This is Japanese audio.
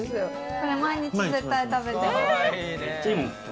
これ毎日、絶対食べてます。